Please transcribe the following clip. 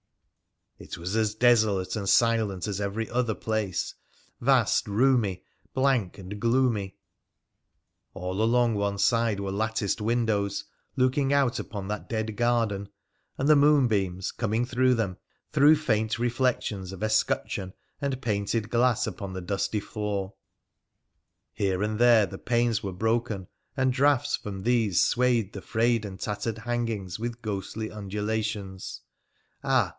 It was as desolate and silent as every other place, vast, roomy, blank, and gloomy. All along one side were latticed windows looking out upon that dead garden, and the moon beams coming through them threw faint reflections of escutcheon and painted glass upon the dusty floor. Here and there the panes were broken, and draughts from these swayed the frayed and tattered hangings with ghostly undulations — ah